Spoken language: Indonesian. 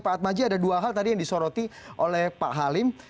pak atmaji ada dua hal tadi yang disoroti oleh pak halim